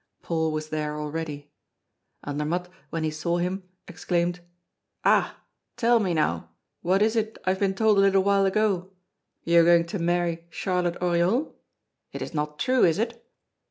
Paul was there already. Andermatt, when he saw him, exclaimed: "Ah! tell me now, what is it I have been told a little while ago? You are going to marry Charlotte Oriol? It is not true, is it?"